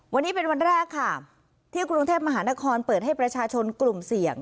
วันนี้เป็นวันแรกค่ะที่กรุงเทพมหานครเปิดให้ประชาชนกลุ่มเสี่ยง